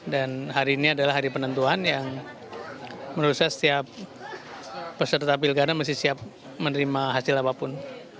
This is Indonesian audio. dan hari ini adalah hari penentuan yang menurut saya setiap peserta pilkada mesti siap menerima hasil apapun